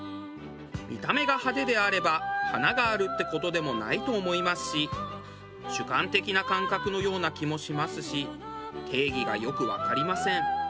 見た目が派手であれば華があるって事でもないと思いますし主観的な感覚のような気もしますし定義がよくわかりません。